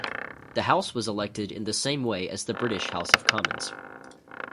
The House was elected in the same way as the British House of Commons.